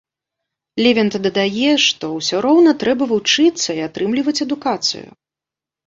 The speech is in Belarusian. Лівянт дадае, што ўсё роўна трэба вучыцца і атрымліваць адукацыю.